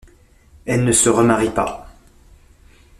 Elle ne se remarie pas.